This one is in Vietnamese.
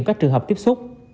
các trường hợp tiếp xúc